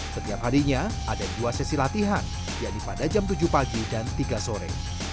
setiap harinya ada dua sesi latihan yaitu pada jam tujuh pagi dan tiga sore